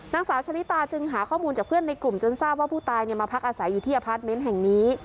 นางสาวชะลิตาจึงหาข้อมูลจากเพื่อนในกลุ่มจนทราบว่าผู้ตายมาพักอาศัยอยู่ที่อพาร์ทเมนต์แห่งนี้